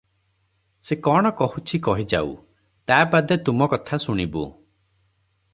ସେ କଣ କହୁଛି କହିଯାଉ, ତା ବାଦେ ତୁମ କଥା ଶୁଣିବୁଁ ।"